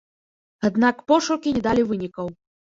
Аднак пошукі не далі вынікаў.